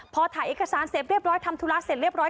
พอถ่ายเอกสารเสร็จเรียบร้อยทำธุระเสร็จเรียบร้อย